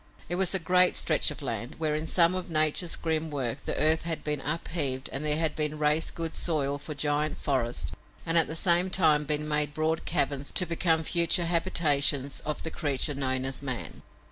It was a great stretch of land, where, in some of nature's grim work, the earth had been up heaved and there had been raised good soil for giant forests, and at the same time been made broad caverns to become future habitations of the creature known as man.